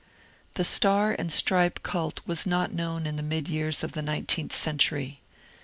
The star and stripe cult was not known in the mid years of the nineteenth century.